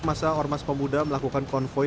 masa orang mas kepemuda melakukan konvoi